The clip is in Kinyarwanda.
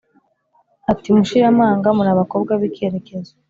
Ati mushira amanga, mur’abakobwa bikerekezo